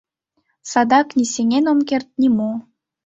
Садак ни сеҥен ом керт, ни мо...